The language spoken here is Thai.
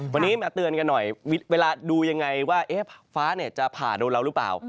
วันนี้มาเตือนกันหน่อยเวลาดูยังไงว่าฟ้าจะผ่าโดนเราหรือเปล่า